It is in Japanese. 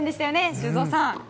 修造さん。